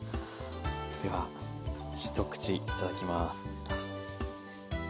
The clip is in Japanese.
では一口いただきます。